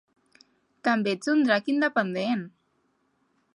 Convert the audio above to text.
També ets un drac independent!